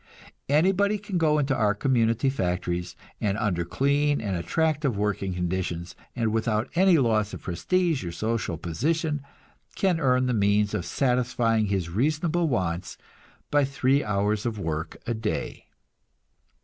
Anybody can go into our community factories, and under clean and attractive working conditions, and without any loss of prestige or social position, can earn the means of satisfying his reasonable wants by three hours work a day.